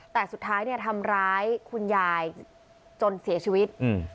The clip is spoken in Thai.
แต่สุดท้ายเนี่ยทำร้ายคุณยายจนเสียชีวิตอืม